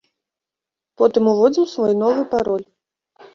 Потым уводзім свой новы пароль.